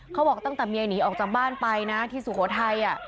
เขาบอกตั้งแต่เมียหนีออกจากบ้านไปนะที่สุโขทัย